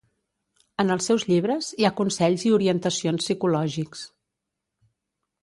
En els seus llibres hi ha consells i orientacions psicològics.